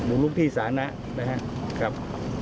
บุกลุกที่สาปนั้นนะครับ